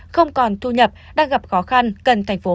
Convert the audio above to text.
không còn thu nhập